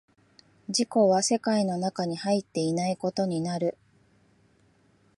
自己は世界の中に入っていないことになる。